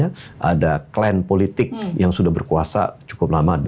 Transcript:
ada klan politik yang sudah berkuasa cukup lama